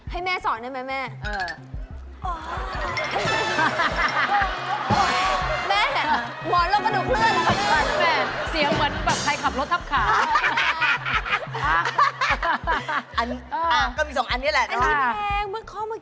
แต่เย็นที่เราวิเคราะห์ไปแล้วว่าน้ำปลาน่ะ